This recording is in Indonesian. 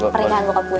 peringan bokap gue